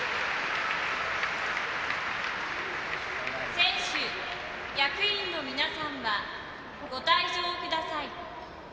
選手、役員の皆さんはご退場ください。